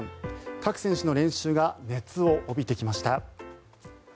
各選手の練習が熱を帯びてきました。